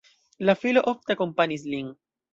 La filo ofte akompanis lin.